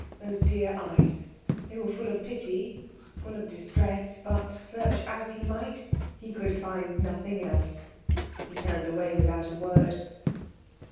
Those dear eyes they were full of pity, full of distress; but search as he might he could find nothing else. He turned away without a word.